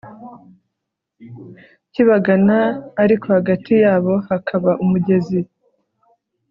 kibagana, ariko hagati yabo hakaba umugezi